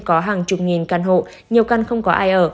có hàng chục nghìn căn hộ nhiều căn không có ai ở